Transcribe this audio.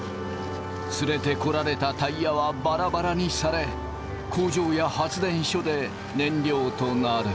連れてこられたタイヤはバラバラにされ工場や発電所で燃料となる。